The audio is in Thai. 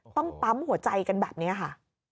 ต้องปั๊มหัวใจกันแบบนี้ค่ะ